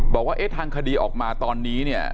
บอกไอ้ทางคดีออกมาตอนนี้เนี่ย